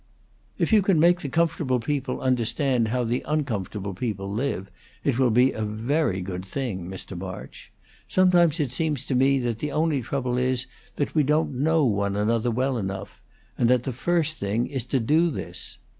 "If you can make the comfortable people understand how the uncomfortable people live, it will be a very good thing, Mr. March. Sometimes it seems to me that the only trouble is that we don't know one another well enough; and that the first thing is to do this."